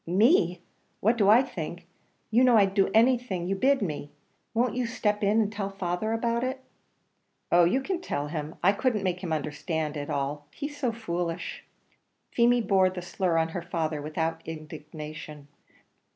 "Me! what do I think? you know I'd do anything you bid me. Won't you step in and tell father about it?" "Oh, you can tell him. I couldn't make him understand it at all, he's so foolish." Feemy bore the slur on her father without indignation.